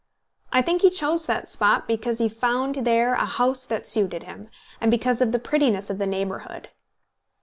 I think he chose that spot because he found there a house that suited him, and because of the prettiness of the neighbourhood.